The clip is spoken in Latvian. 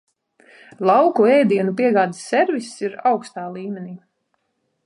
Lauku ēdienu piegādes serviss ir augstā līmenī.